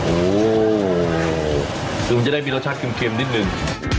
โอ้โหคือมันจะได้มีรสชาติเค็มนิดนึง